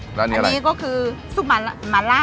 เป็นไงคะเหนียวไหมคะอืมเหนียวนุ่มนะดีเหมือนกันเนอะ